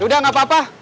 udah gak apa apa